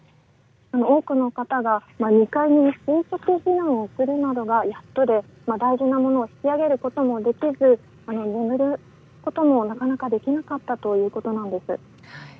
多くの方が２階に垂直避難をするのがやっとで大事なものを引き上げることもできず眠ることもなかなかできなかったということです。